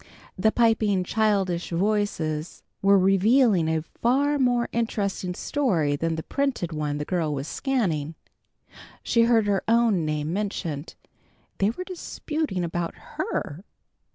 The piping, childish voices were revealing a far more interesting story than the printed one the girl was scanning. She heard her own name mentioned. They were disputing about her.